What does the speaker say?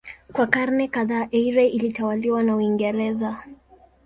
Kwa karne kadhaa Eire ilitawaliwa na Uingereza.